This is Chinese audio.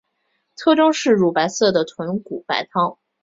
特征是乳白色的豚骨白汤。